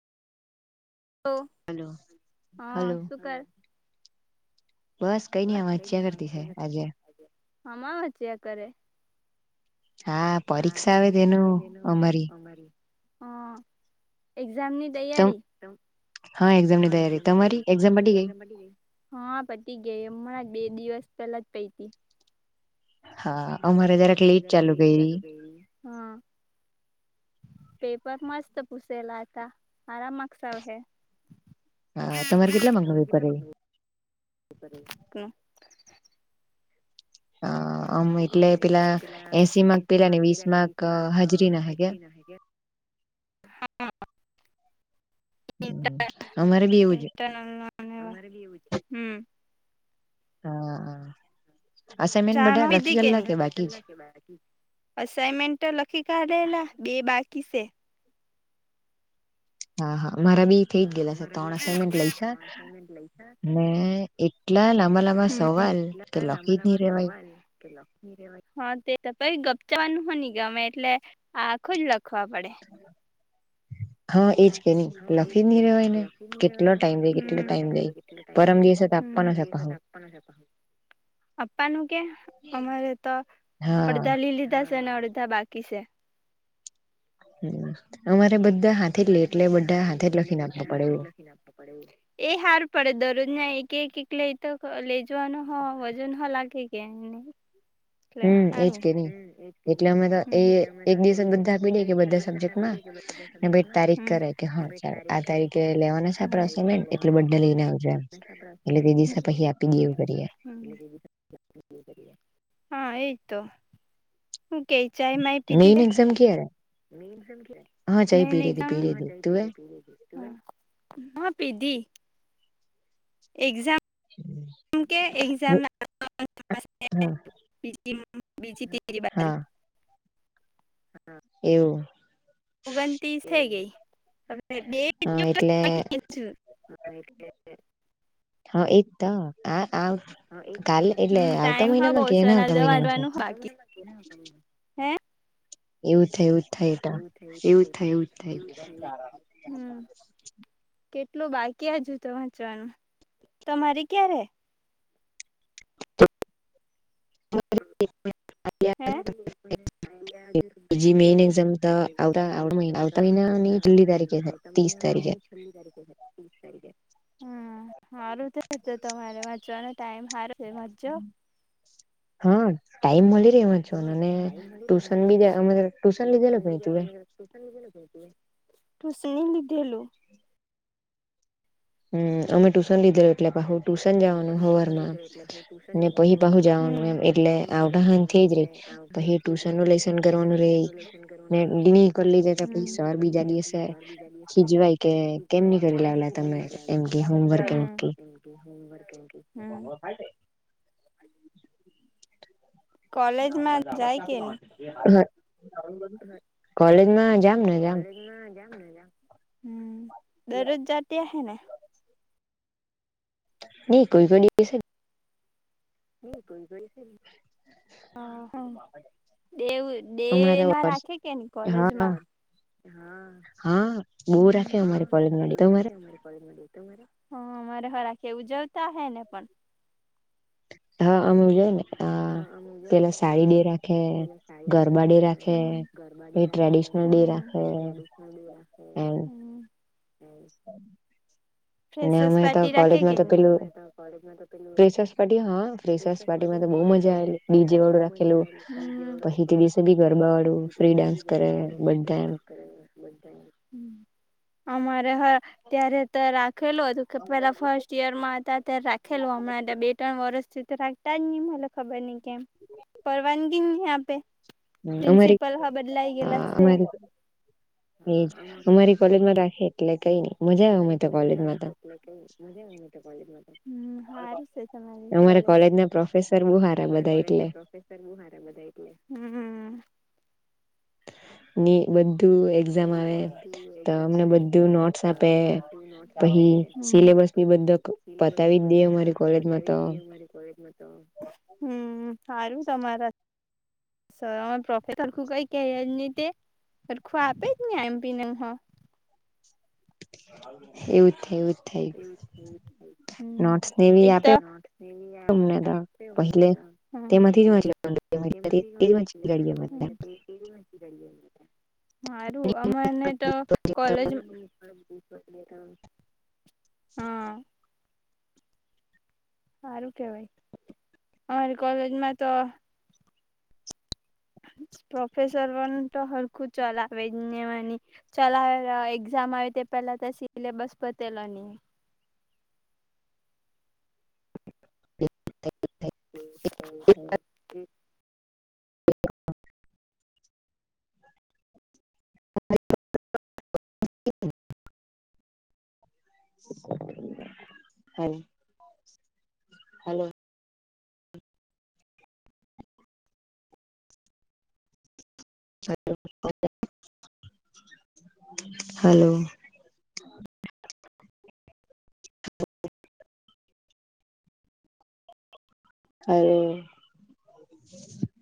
Hello હા hello શું કરે બસ કઈ નઈ આ વાંચ્યા કરતી છે આજે હમા વાંચ્યા કરે હા પરીક્ષા આવે તેનું અમારી હ એક્ઝામ ની તમ તૈયારી હા એક્ઝામ ની તૈયારી તમારી એક્ઝામ [unintelligible] પટી ગઈ હ પતી ગેય હમણા બે દિવસ પેલા જ પયતી હા અમારે જરાક લેત ચાલુ કયરી હ પેપર મસ્ત પૂસેલા હતા હારા માકસ આવ હે હા તમારે કેટલા માર્કનુ પેપર રેય હ આમ એટલે પેલા એસી માક પેલા ને વીસ માક હાજરી ના હે કે [inaudible] [inaudible] [inaudible] અમારે બી એવું જ હમ. હા હા ચા પીધી કેની જ અસાાઈનમેન્ટ તો લખી કાઢેલા બે બાકી છે. હા હા અમારા બી થઈ જ ગયેલા છે, ત્રણ અનમેન્ટ લયખા અને એટલા લાંબા લાં હમ હ તે [unintelligible] ચાવાનું હો ની ગમે એટલે આખો જ લખવા પડે હા એજ કે ની લખી ની રેવાયને કેટલો ટાઈમ લઈ કેટલો ટાઈમ લઈ પરમ દિવસ આપવાનો છે પાહો આપનો છે પાહો આપ્પા નું કે અમારે તો હા અડદા લીલીધા છે ને અડધા બાકી છે. હમ્મ. અમારે બધા હાથે લેય એટલે લખીને આપવું બધા પડે હાથે એવું લખીને આપવા પડે એવુ એ હાર પડે દરોજના કે એક લઈ તો લે જવાનું હો વજન હો લાગે કે ની એટલે હમ એજ હારું કે હ નહી એજ એટલે કેની અમે તો એ એક દિવસે બધા આપી દે કે બધા સબ્જેક્ટમાં [unintelligible] [unintelligible] બધા ને ભાઈ સબજેકના તારીખ કરે કે હા ચાલ આ તારીખે લેવાના છે, આપડે અસાઇનમેન્ટ એટલે બધા લઈને આ [inaudible] દે એવું કરીએ હા એતો હું કેય ચાય માય પીધી મેઈન કે એક્ઝામ ક્યારે મેન સેમ કયારે હા મે ચાય પી ની લીધી ખામ પી લીધી તુંએ [unintelligible] હ પીધી એક્ઝામ. કે એક્ઝામ હા [unintelligible] [unintelligible] બીજી તીજી બારી હા એવું. ઓગનતીસ થે ગેય બે હા એટલે [inaudible] હા એજ ત આ આ કાલે એટલે હમ આવતા ટાઈમ હો બો મહિનામાં કે એના આવતા એનાલીસ્ટ મહિનામાં છે વાંચવાનુ હો બાકી [inaudible] હે. એવું થયુ થાય ત એવુંજ થાય એવુંજ થાય એટલું બાકી હજુ તો વાચવાનું તમારી ક્યારે [inaudible] હે. જે મેન એક્ઝામ આવ આવતા મહિનાની છેલ્લી તારીખે ત્રીસ તારીખ છેલ્લી તારીખે છે, ત્રીસ તારીખે હારું તો તમારે વાંચવાનો ટાઈમ હારો હા ટાઈમ મલે મલે વાચવાનો ને ટુશન બી ટુશન લીધેલુ કેની તું એ [unintelligible] સિંહ લીધેલું હમ અમે ટ્યુશન લીધેલ એટલે પાહુ ટુશન જવાનું હોવરમાં પહી પાહુ જવાનું હમ એમ એટલે આવડાહન થઈ જ રહી પહી ટ્યુશન નું લેસન કરવાનું રેય કરી લીધે તો હમ પછ સર બીજા દિવસે ખીજવાય કે કેમની કરી લાવેલા તમે એમ કે હોમવર્ક એમ હમ્મ, કે હમ્મ કોલેજમાં જાય કે નહી [unintelligible] કોલેજમાં જામ ને જામ હમ દરરોજ જાતિ હ ને નહી કોઈ કોઈ દિવસે ની કોઈ [unintelligible] કોઈ [unintelligible] દેવ હમણાં ડે તો હા હા હા બહુ રાખે અમારી કોલેજ માંથી તમારે હ મારે હરાખે ઉજવતા હે ને પણ હા અમે જય ને હ પેલા સાડી ડે રાખે ગરબા ડે રાખે એ હમ્મ, ટ્રેડિશનલ ડે રાખે એમ હમ્મ [unintelligible] અમે તો પાર્ટી રાખે કોલેજમાં કે તો ની પેલું અમે તો ફ્રેશસ પાર્ટી હ ફ્રીશર્સ પાર્ટી માં તો બ મ જા ડીજે વાળું રાખેલું પછી તે દિવસે બી ગરબા વાળું ફ્રી ડાન્સ કરે બધા એમ અમારે હ ત્યારે તો રા ખેલું હતું કે પેલા ફર્સ્ટ યરમાં હતા ત્યારે રાખેલું હમણાં બે ત્રણ વર્ષથી તો રાખતા જ ન મને ખબર નહી કેમ પરવાનગી જ ની આપે અમારી પ્રિન્સિપલ હ બદલાઈ ગયેલા સે અમારી હજ અમારી કોલેજ રાખ અમારી કોલેજમાં તો રાખી એટલે કે મજા આવે તો કોલેજમાં તો અમારે કોલેજ ના પ્રોફે અમારા કોલેજ ના પ્રોફેસર બ હાર બધા એટલે હમ્મ ની બ લુ એક્ઝામ આવે તો અમને બધું નોટ્સ આપે પહી સિલેબ પછી સિલેબસ બધ કોલેજમાં બતાવી તો જ દઈએ મારી કોલેજમાં તો હમ્મ સારું તમારા પ્રોફેસરું કઈ કેય જ ની તે હરુખુ [unintelligible] એવું [unintelligible] એવું થઈ હમ નોટસ નેવી એક આપે તો હમ તમને તો પહેલે તેમાંથી જ વાંચી કાઢીએ [inaudible] માારું અમને તો કોલેજ હ સારું કેવાય અમારી કોલેજમાં તો [inaudible] પ્રોફેસર પણ તો હરકું ચલાવે જ ની ને ચલાવે એક્ઝામ આવે તે પેલા તો સિલેબસ પતેલો ની [inaudible] [inaudible] [inaudible] હલો હલો [inaudible] હાલો હાલો